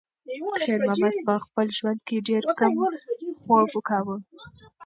خیر محمد په خپل ژوند کې ډېر کم خوب کاوه.